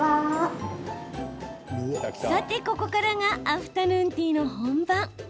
さて、ここからがアフタヌーンティーの本番。